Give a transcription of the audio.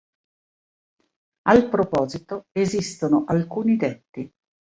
Al proposito esistono alcuni detti.